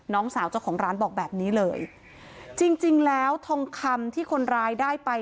น้องสาวเจ้าของร้านบอกแบบนี้เลยจริงจริงแล้วทองคำที่คนร้ายได้ไป